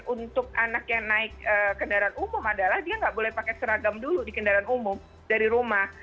untuk anak yang naik kendaraan umum adalah dia nggak boleh pakai seragam dulu di kendaraan umum dari rumah